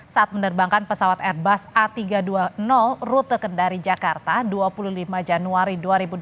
saat menerbangkan pesawat airbus a tiga ratus dua puluh rute kendari jakarta dua puluh lima januari dua ribu dua puluh